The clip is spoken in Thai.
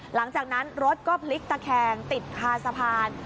หลังจากนั้นรถก็พลิกตะแคงติดคาสะพาน